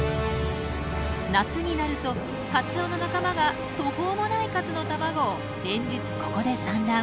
夏になるとカツオの仲間が途方もない数の卵を連日ここで産卵。